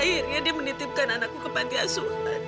iya candy itu bukan anak kamu